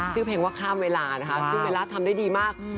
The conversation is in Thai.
ชื่อเพลงว่าข้ามเวลานะคะซึ่งเบลล่าทำได้ดีมาก